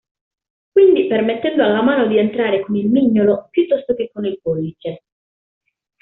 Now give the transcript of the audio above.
Quindi permettendo alla mano di entrare con il mignolo piuttosto che con il pollice.